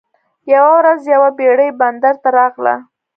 یوه ورځ یوه بیړۍ بندر ته راغله.